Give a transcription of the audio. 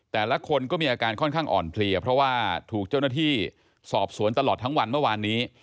แต่ละคนก็มีอาการค่อนข้างอ่อนเพลียเพราะว่าถูกเจ้าหน้าที่สอบสวนตลอดทั้งวันเมื่อวานนี้